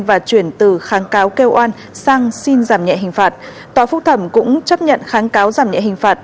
và chuyển từ kháng cáo kêu oan sang xin giảm nhẹ hình phạt tòa phúc thẩm cũng chấp nhận kháng cáo giảm nhẹ hình phạt